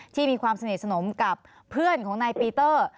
ที่มีความสนิทสนมกับเพื่อนของนายปีเตอร์